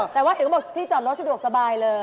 อ๋อแต่ว่าถึงบอกที่จอดรถสะดวกสบายเลย